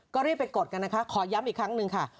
ก็รีบไปกดกันนะคะขอย้ำอีกครั้งหนึ่งค่ะ